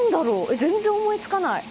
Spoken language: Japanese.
全然思いつかない。